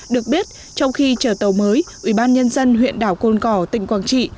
được biết trong khi chờ tàu mới ubnd huyện đảo côn cỏ tỉnh quang trị